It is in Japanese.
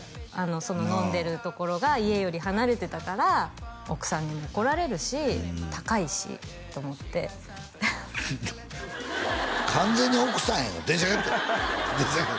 その飲んでるところが家より離れてたから奥さんにも怒られるし高いしと思って完全に奥さんや「電車で帰って」